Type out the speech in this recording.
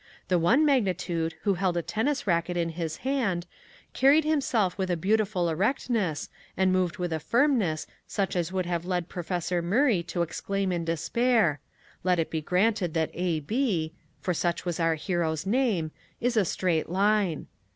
The one magnitude who held a tennis racket in his hand, carried himself with a beautiful erectness and moved with a firmness such as would have led Professor Murray to exclaim in despair Let it be granted that A. B. (for such was our hero's name) is a straight line.